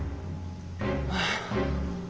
はあ。